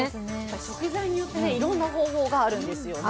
食材によっていろんな方法があるんですよね。